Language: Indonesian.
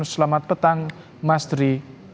selamat petang mas tri